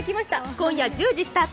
今夜１０時スタート